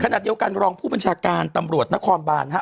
ขณะเดียวกันรองผู้บัญชาการตำรวจนครบานฮะ